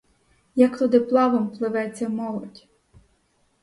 Як туди плавом пливе ця молодь?